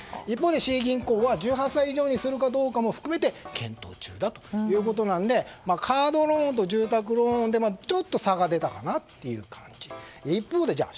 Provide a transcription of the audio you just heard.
一方で、Ｃ銀行は１８歳以上にするかどうかも含めて検討中だということなのでカードローンと住宅ローンでちょっと差が出たかなという形。